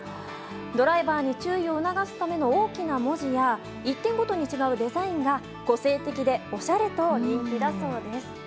ドライバーに注意を促すための大きな文字や一点ごとに違うデザインが個性的でおしゃれと人気だそうです。